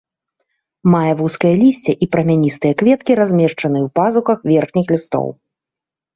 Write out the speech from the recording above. Мае вузкае лісце і прамяністыя кветкі, размешчаныя ў пазухах верхніх лістоў.